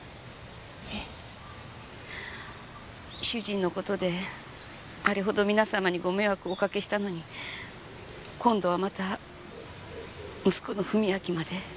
えっ？主人の事であれほど皆様にご迷惑をおかけしたのに今度はまた息子の史明まで。